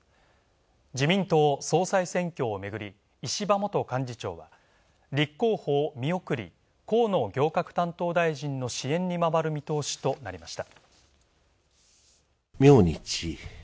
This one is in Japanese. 自民党総裁選挙をめぐり石破元幹事長は立候補見送り河野行革担当大臣の支援に回る見通しとなりました。